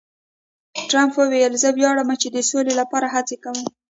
ټرمپ وویل، زه ویاړم چې د سولې لپاره هڅې کوم.